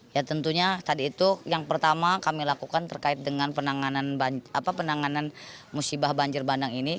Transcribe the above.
ya tentunya tadi itu yang pertama kami lakukan terkait dengan penanganan musibah banjir bandang ini